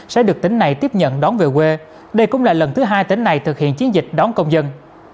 sẽ được tỉnh này tiếp nhận đón về quê đây cũng là lần thứ hai tỉnh này thực hiện chiến dịch đón công dân